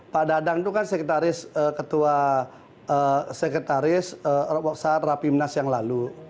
pak dadang itu kan sekretaris ketua sekretaris waksar rapi minas yang lalu